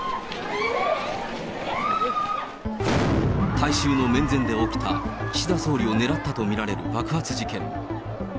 大衆の面前で起きた、岸田総理を狙ったと見られる爆発事件。